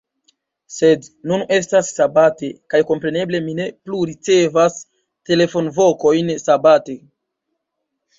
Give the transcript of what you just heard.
Sed nun estas Sabate, kaj kompreneble mi ne plu ricevas telefonvokojn Sabate.